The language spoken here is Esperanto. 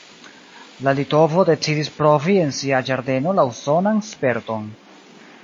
La litovo decidis provi en sia ĝardeno la usonan sperton.